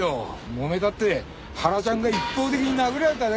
もめたって原ちゃんが一方的に殴られただけだよ。